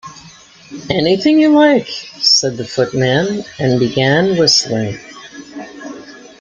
‘Anything you like,’ said the Footman, and began whistling.